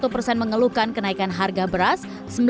tujuh puluh satu persen mengeluhkan kenaikan harga beras